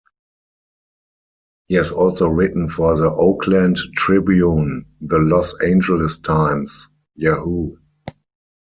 He has also written for the "Oakland Tribune", the "Los Angeles Times", Yahoo!